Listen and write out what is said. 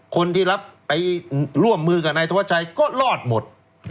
คนที่รับไปร่วมมือกับนายธวัชชัยก็รอดหมด